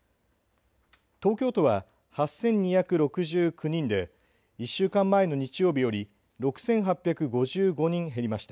東京都は８２６９人で１週間前の日曜日より６８５５人減りました。